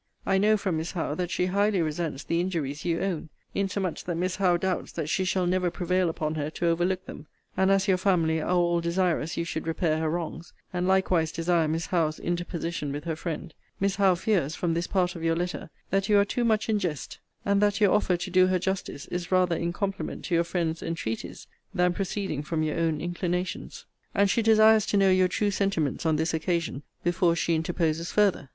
I know, from Miss Howe, that she highly resents the injuries you own: insomuch that Miss Howe doubts that she shall never prevail upon her to overlook them: and as your family are all desirous you should repair her wrongs, and likewise desire Miss Howe's interposition with her friend; Miss Howe fears, from this part of your letter, that you are too much in jest; and that your offer to do her justice is rather in compliment to your friends' entreaties, than proceeding form your own inclinations: and she desires to know your true sentiments on this occasion, before she interposes further.